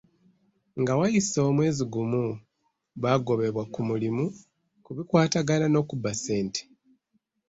Nga wayise omwezi gumu baagobebwa ku mulimu ku bikwatagana n'okubba ssente.